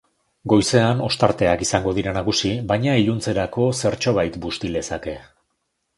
Goizean ostarteak izango dira nagusi, baina iluntzerako zertxobait busti lezake.